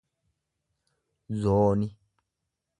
zooni